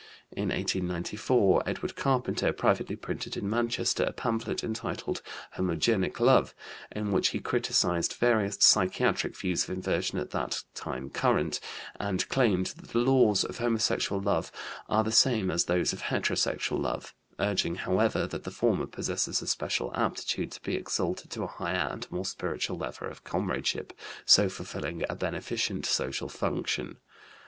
In 1894 Edward Carpenter privately printed in Manchester a pamphlet entitled Homogenic Love, in which he criticised various psychiatric views of inversion at that time current, and claimed that the laws of homosexual love are the same as those of heterosexual love, urging, however, that the former possesses a special aptitude to be exalted to a higher and more spiritual level of comradeship, so fulfilling a beneficent social function.